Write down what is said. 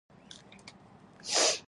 ځغاسته د وینې فشار کنټرولوي